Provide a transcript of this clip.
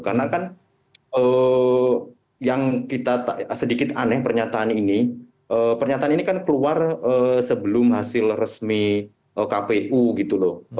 karena kan yang kita sedikit aneh pernyataan ini pernyataan ini kan keluar sebelum hasil resmi kpu gitu loh